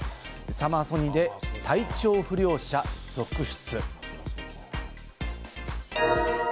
サマソニで体調不良者続出。